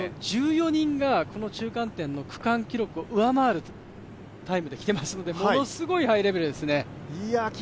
１４人が中間点の区間記録を上回るタイムで来ていますのでものすごいハイレベルですね。